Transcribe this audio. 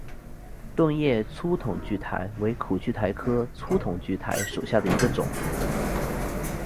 盾叶粗筒苣苔为苦苣苔科粗筒苣苔属下的一个种。